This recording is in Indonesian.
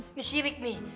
ini sirik nih